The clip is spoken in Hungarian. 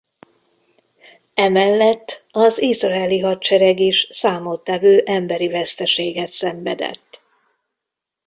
Emellett az izraeli hadsereg is számottevő emberi veszteséget szenvedett.